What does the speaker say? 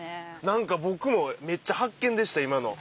何か僕もめっちゃ発見でした今の。